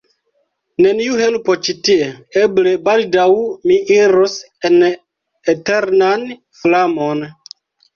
neniu helpo ĉi tie: eble baldaŭ mi iros en eternan flamon.